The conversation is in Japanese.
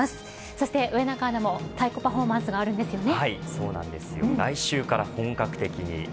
そして上中アナも太鼓パフォーマンスがあるんですよね。